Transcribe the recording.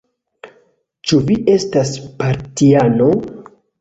Ĉu vi estas partiano?